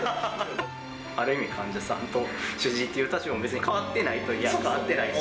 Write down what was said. ある意味、患者さんと主治医っていう立場も、変わってないといえば変わってないし。